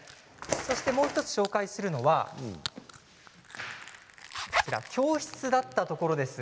もう１つ紹介するのは教室だったところです。